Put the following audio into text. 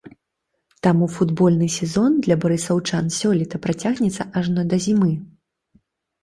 Таму футбольны сезон для барысаўчан сёлета працягнецца ажно да зімы.